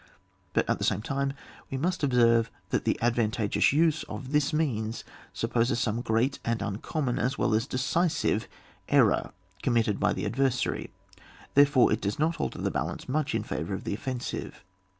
But at the same time we must observe that the advantageous use of this means supposes some great and uncommon, as well as decisive error com mitted by the adversaiy, therefore it does not alter the balance much in favour of the offensive.